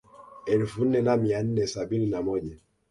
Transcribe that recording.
Elfu nne na mia nne sabini na moja